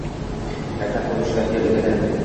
Qayta quruvchilarcha o‘yladi.